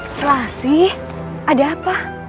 selasi ada apa